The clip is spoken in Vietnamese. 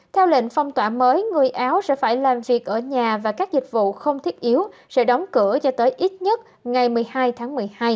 theo lệnh phong tỏa mới người áo sẽ phải làm việc ở nhà và các dịch vụ không thiết yếu sẽ đóng cửa cho tới ít nhất ngày một mươi hai tháng một mươi hai